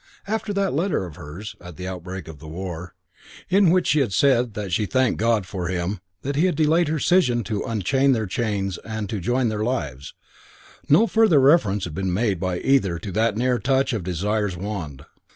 After that letter of hers, at the outbreak of the war, in which she had said that she thanked God for him that he had delayed her decision to unchain their chains and to join their lives, no further reference had been made by either to that near touch of desire's wand.